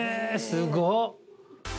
すごっ！